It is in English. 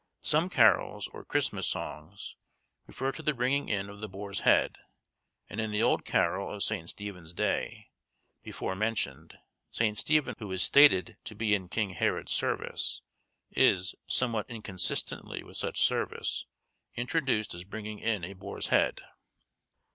Some carols, or Christmas songs, refer to the bringing in of the boar's head; and in the old carol of St. Stephen's Day, before mentioned, St. Stephen, who is stated to be in king Herod's service, is, somewhat inconsistently with such service, introduced as bringing in a boar's head.